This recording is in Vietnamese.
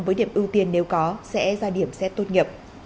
và các người học sinh